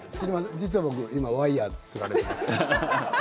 実は僕、今ワイヤーでつられています